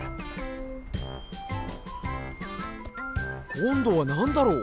こんどはなんだろう？